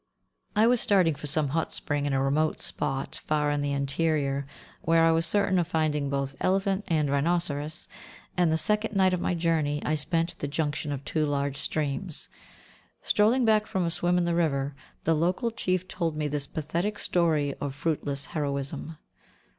I was starting for some hot springs in a remote spot, far in the interior, where I was certain of finding both elephant and rhinoceros, and the second night of my journey I spent at the junction of two large streams. Strolling back from a swim in the river, the local chief told me this pathetic story of fruitless heroism.